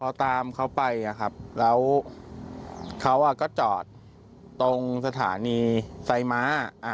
พอตามเขาไปแล้วเขาก็จอดตรงสถานีไซม้า